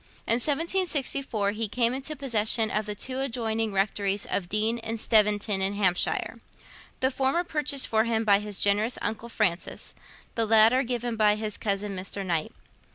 In 1764 he came into possession of the two adjoining Rectories of Deane and Steventon in Hampshire; the former purchased for him by his generous uncle Francis, the latter given by his cousin Mr. Knight.